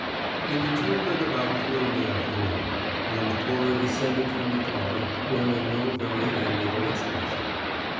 They returned at about three in the afternoon, and Cora descended from the car wearing no very amiable expression.